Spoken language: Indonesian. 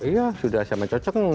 iya sudah sama cocok